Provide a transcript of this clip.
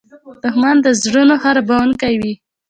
دښمن د زړونو خرابوونکی وي